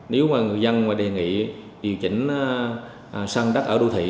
nếu mà người dân mà đề nghị điều chỉnh sang đất ở đô thị